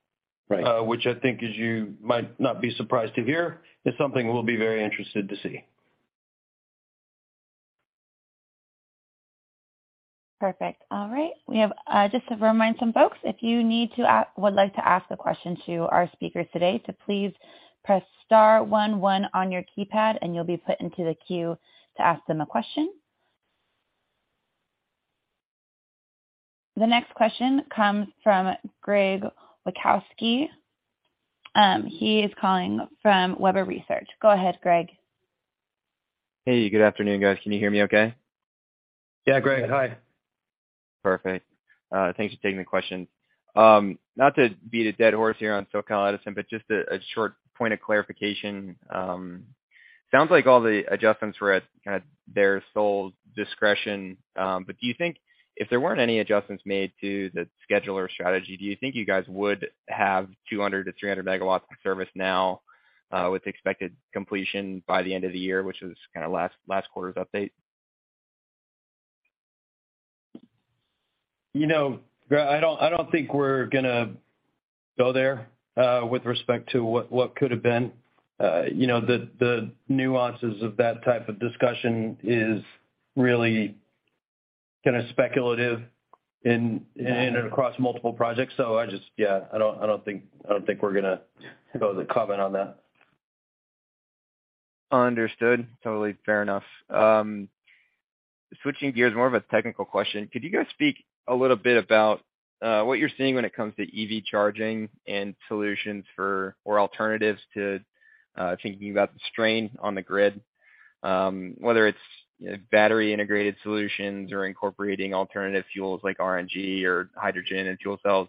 Right. Which I think is, you might not be surprised to hear, something we'll be very interested to see. Perfect. All right. We have just to remind some folks, if you would like to ask a question to our speakers today, to please press star one one on your keypad and you'll be put into the queue to ask them a question. The next question comes from Craig Shere. He is calling from Tuohy Brothers. Go ahead, Craig. Hey, good afternoon, guys. Can you hear me okay? Yeah. Craig, hi. Perfect. Thanks for taking the questions. Not to beat a dead horse here on SoCal Edison, but just a short point of clarification. Sounds like all the adjustments were at kind of their sole discretion, but do you think if there weren't any adjustments made to the schedule or strategy, do you think you guys would have 200-300 MWs of service now, with expected completion by the end of the year, which was kind of last quarter's update? You know, Craig, I don't think we're gonna go there with respect to what could have been. You know, the nuances of that type of discussion is really kind of speculative in and across multiple projects. I just, yeah, I don't think we're gonna be able to comment on that. Understood. Totally fair enough. Switching gears, more of a technical question. Could you guys speak a little bit about what you're seeing when it comes to EV charging and solutions for, or alternatives to, thinking about the strain on the grid, whether it's, you know, battery integrated solutions or incorporating alternative fuels like RNG or hydrogen and fuel cells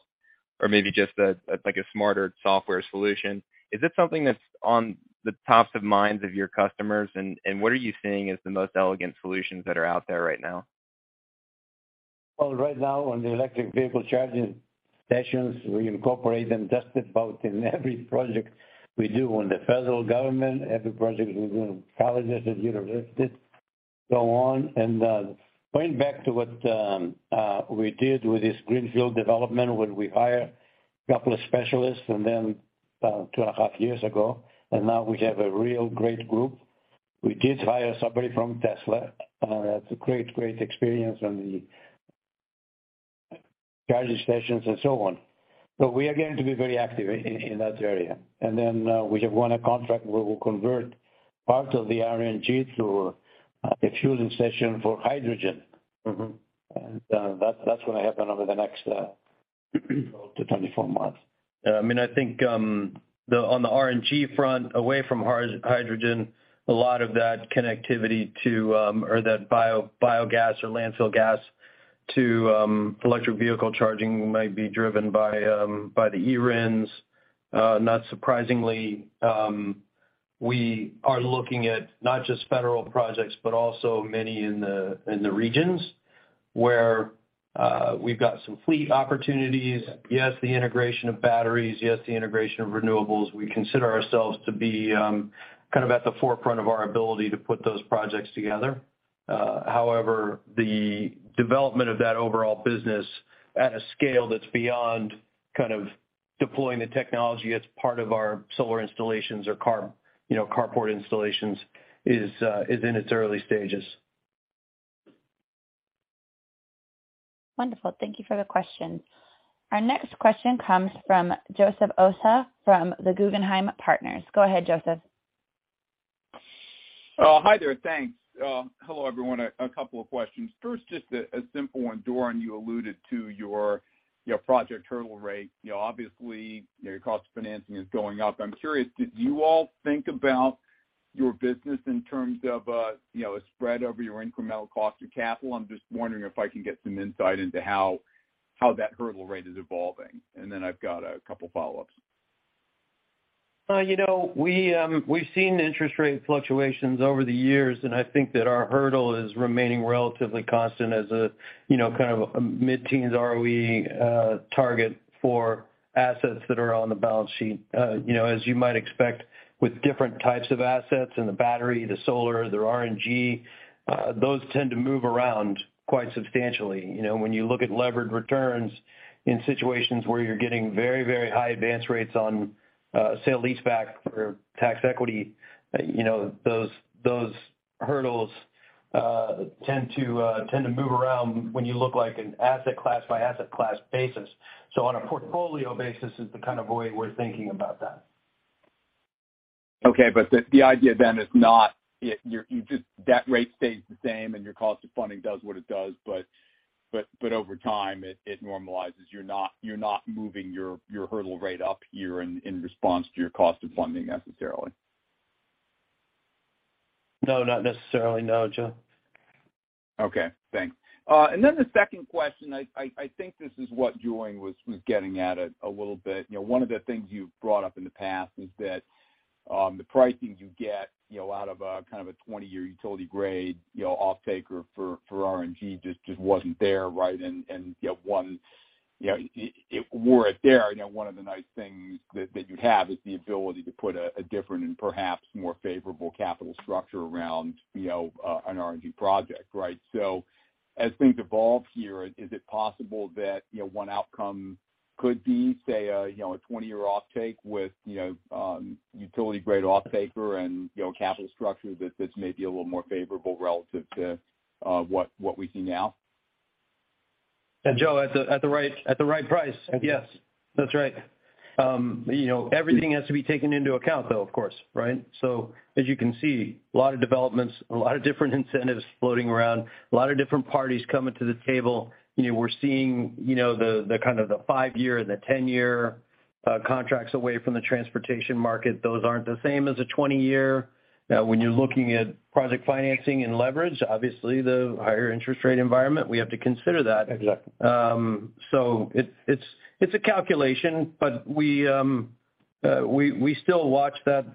or maybe just a like a smarter software solution. Is it something that's on the tops of minds of your customers? And what are you seeing as the most elegant solutions that are out there right now? Right now on the electric vehicle charging stations, we incorporate them just about in every project we do on the federal government, every project we do in colleges and universities, so on. Going back to what we did with this greenfield development when we hire a couple of specialists and then 2.5 years ago, and now we have a real great group. We did hire somebody from Tesla, that's a great experience on the charging stations and so on. We are going to be very active in that area. We have won a contract where we'll convert part of the RNG to a fueling station for hydrogen. Mm-hmm. That's gonna happen over the next 12-24 months. Yeah. I mean, I think, on the RNG front, away from hydrogen, a lot of that connectivity to biogas or landfill gas to electric vehicle charging might be driven by the eRINs. Not surprisingly, we are looking at not just federal projects, but also many in the regions where we've got some fleet opportunities. Yes, the integration of batteries, yes, the integration of renewables. We consider ourselves to be kind of at the forefront of our ability to put those projects together. However, the development of that overall business at a scale that's beyond kind of deploying the technology as part of our solar installations or, you know, carport installations is in its early stages. Wonderful. Thank you for the question. Our next question comes from Joseph Osha from Guggenheim Partners. Go ahead, Joseph. Oh, hi there. Thanks. Hello, everyone. A couple of questions. First, just a simple one. Doran, you alluded to your project hurdle rate. You know, obviously, your cost of financing is going up. I'm curious, did you all think about your business in terms of, you know, a spread over your incremental cost of capital? I'm just wondering if I can get some insight into how that hurdle rate is evolving. Then I've got a couple follow-ups. You know, we've seen interest rate fluctuations over the years, and I think that our hurdle is remaining relatively constant as a you know, kind of mid-teens ROE target for assets that are on the balance sheet. You know, as you might expect with different types of assets and the battery, the solar, the RNG, those tend to move around quite substantially. You know, when you look at levered returns in situations where you're getting very, very high advance rates on sale-leaseback for tax equity, you know, those hurdles tend to move around when you look at an asset class by asset class basis. On a portfolio basis is the kind of way we're thinking about that. Okay, the idea then is not debt rate stays the same and your cost of funding does what it does, but over time, it normalizes. You're not moving your hurdle rate up here in response to your cost of funding necessarily. No, not necessarily. No, Joe. Okay. Thanks. The second question, I think this is what Julien was getting at a little bit. You know, one of the things you've brought up in the past is that, the pricing you get, you know, out of a kind of a 20-year utility-grade offtaker for RNG just wasn't there, right? You have one. You know, it wasn't there. You know, one of the nice things that you have is the ability to put a different and perhaps more favorable capital structure around, you know, an RNG project, right? as things evolve here, is it possible that, you know, one outcome could be, say, you know, a 20-year offtake with, you know, utility-grade offtaker and, you know, capital structure that may be a little more favorable relative to, what we see now? Joe, at the right price, yes. Okay. That's right. You know, everything has to be taken into account, though, of course, right? As you can see, a lot of developments, a lot of different incentives floating around, a lot of different parties coming to the table. You know, we're seeing, you know, the kind of the five-year and the 10-year contracts away from the transportation market. Those aren't the same as a 20-year. When you're looking at project financing and leverage, obviously the higher interest rate environment, we have to consider that. Exactly. It's a calculation, but we still watch that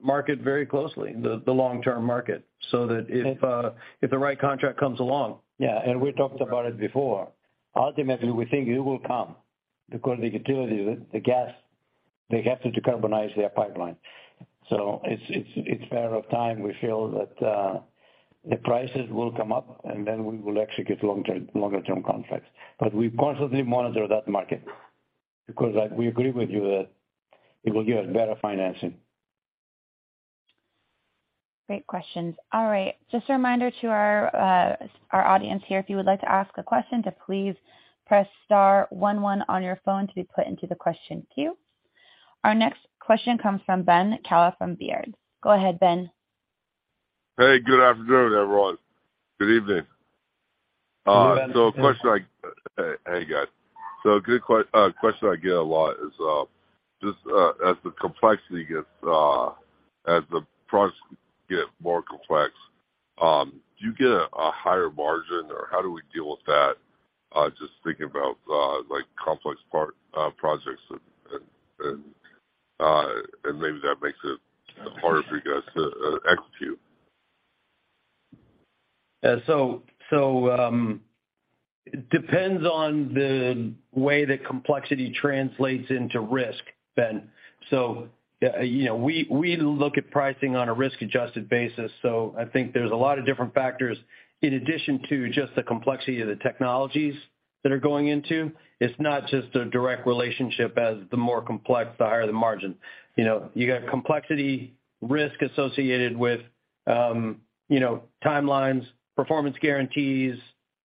market very closely, the long-term market, so that if the right contract comes along. Yeah, we talked about it before. Ultimately, we think it will come because the utilities, the gas, they have to decarbonize their pipeline. It's a matter of time. We feel that the prices will come up, and then we will execute longer-term contracts. We constantly monitor that market because, like, we agree with you that it will give us better financing. Great questions. All right, just a reminder to our audience here, if you would like to ask a question, to please press star one one on your phone to be put into the question queue. Our next question comes from Ben Kallo from Baird. Go ahead, Ben. Hey, good afternoon, everyone. Good evening. Good evening. Hey, guys. A good question I get a lot is, just as the complexity gets, as the projects get more complex, do you get a higher margin, or how do we deal with that? Just thinking about, like, complex projects and maybe that makes it harder for you guys to execute. It depends on the way the complexity translates into risk, Ben. You know, we look at pricing on a risk-adjusted basis. I think there's a lot of different factors in addition to just the complexity of the technologies that are going into. It's not just a direct relationship as the more complex, the higher the margin. You know, you got complexity, risk associated with, you know, timelines, performance guarantees,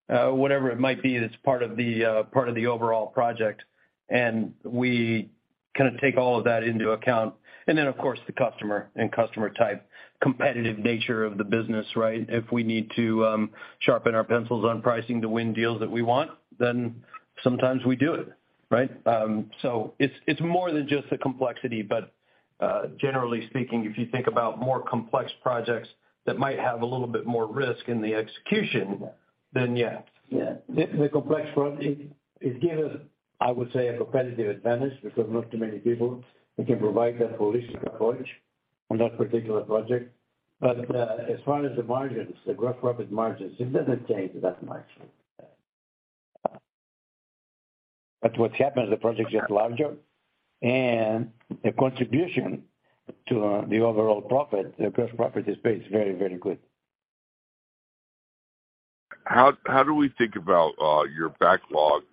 whatever it might be that's part of the overall project, and we kinda take all of that into account. Of course, the customer and customer-type competitive nature of the business, right? If we need to sharpen our pencils on pricing to win deals that we want, then sometimes we do it, right? It's more than just the complexity. Generally speaking, if you think about more complex projects that might have a little bit more risk in the execution. Yeah. The complex project is given, I would say, a competitive advantage because not too many people can provide that holistic approach on that particular project. As far as the margins, the gross profit margins, it doesn't change that much. What's happened is the project gets larger and the contribution to the overall profit, the gross profit is based very, very good. How do we think about your backlog?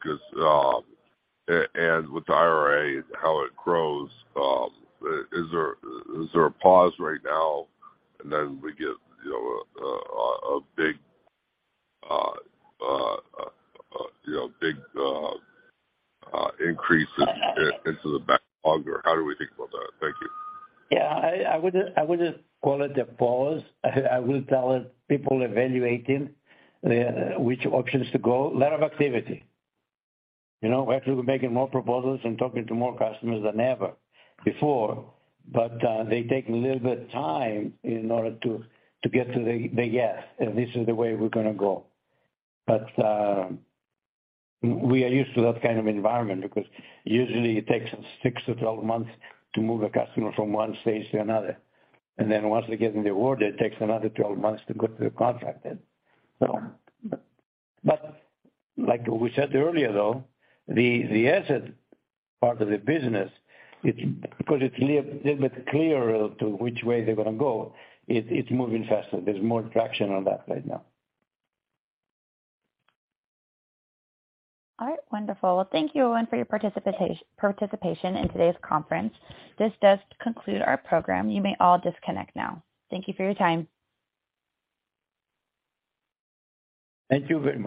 'Cause with the IRA, how it grows. Is there a pause right now and then we get you know a big increase into the backlog? Or how do we think about that? Thank you. Yeah, I wouldn't call it a pause. I'll tell you, people evaluating which options to go. A lot of activity. You know, actually, we're making more proposals and talking to more customers than ever before. They take a little bit of time in order to get to the yes, and this is the way we're gonna go. We are used to that kind of environment because usually it takes us 6-12 months to move a customer from one stage to another. Then once they get the award, it takes another 12 months to go through the contract. Like we said earlier, though, the asset part of the business, it's because it's a little bit clearer which way they're gonna go, it's moving faster. There's more traction on that right now. All right. Wonderful. Thank you everyone for your participation in today's conference. This does conclude our program. You may all disconnect now. Thank you for your time. Thank you very much.